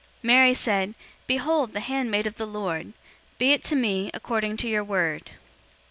001:038 Mary said, "Behold, the handmaid of the Lord; be it to me according to your word."